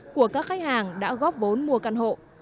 của các khách hàng đã góp vốn mua căn hộ